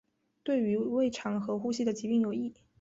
对于胃肠和呼吸的疾病有益。